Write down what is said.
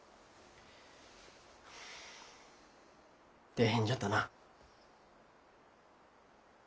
大変じゃったなあ。